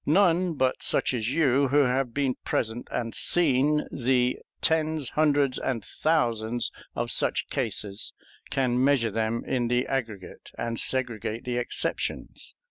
None but such as you, who have been present and seen the tens, hundreds, and thousands of such cases, can measure them in the aggregate and segregate the exceptions.